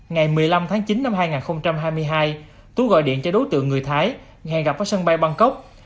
ngày một mươi năm tháng chín năm hai nghìn hai mươi hai tú gọi điện cho đối tượng người thái nghe gặp ở sân bay bangkok